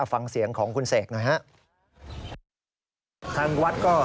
ฟังเสียงของคุณเสกหน่อยฮะ